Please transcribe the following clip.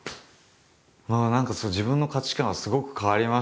何か自分の価値観はすごく変わりましたね。